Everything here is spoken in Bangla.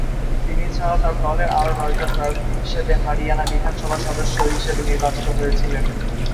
তিনি ছাড়াও তার দলের আরো নয়জন প্রার্থী নির্বাচনে হরিয়ানা বিধানসভার সদস্য হিসেবে নির্বাচিত হয়েছিলেন।